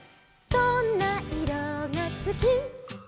「どんないろがすき」「」